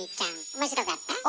面白かった！